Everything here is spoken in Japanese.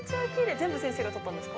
全部先生が撮ったんですか？